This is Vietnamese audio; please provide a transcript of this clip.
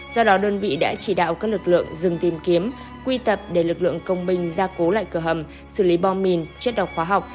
do đó đơn vị đã chỉ đạo các lực lượng dừng tìm kiếm quy tập để lực lượng công binh gia cố lại cửa hầm xử lý bom mìn chất độc hóa học